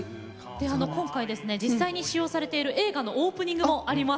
今回は実際に使用されている映画のオープニングもあります。